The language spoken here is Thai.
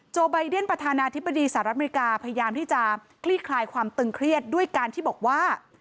ไบเดนประธานาธิบดีสหรัฐอเมริกาพยายามที่จะคลี่คลายความตึงเครียดด้วยการที่บอกว่า